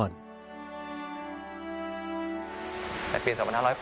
ในปี๒๕๖๘